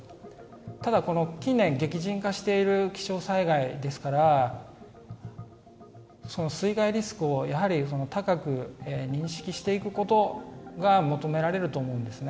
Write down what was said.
ただこの近年、激甚化している気象災害ですから水害リスクを高く認識していくことが求められると思うんですね。